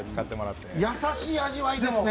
優しい味わいですね。